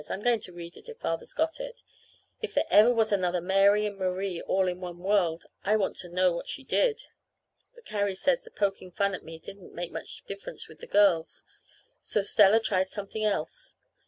I'm going to read it, if Father's got it. If there ever was another Mary and Marie all in one in the world I want to know what she did.) But Carrie says the poking fun at me didn't make much difference with the girls, so Stella tried something else.